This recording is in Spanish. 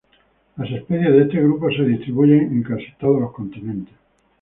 Las especies de este grupo se distribuyen en casi todos los continentes.